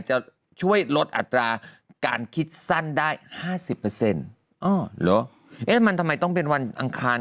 จะช่วยลดอัตราการคิดสั้นได้๕๐มันทำไมต้องเป็นวันอังคาร